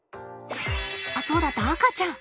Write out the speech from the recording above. あっそうだった赤ちゃん！